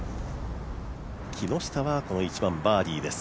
木下は１番、バーディーです。